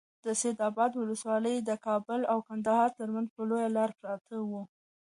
سید اباد ولسوالي د کابل او کندهار ترمنځ پر لویه لاره پرته ده.